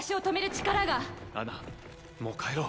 アナ、もう帰ろう。